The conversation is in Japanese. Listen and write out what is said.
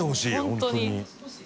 本当に。